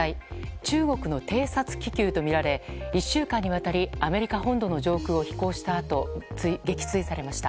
中国の偵察気球とみられ１週間にわたりアメリカ本土の上空を飛行したあと撃墜されました。